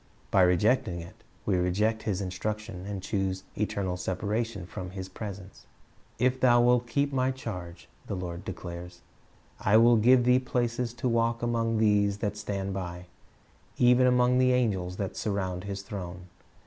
Ry rejecting it, we reject His instruction, and choose eternal separation from His presence. "If thou wilt keep My charge," the Lord declares, "I will give thee places to walk among these that stand by,"' — even among the angels that surround His throne.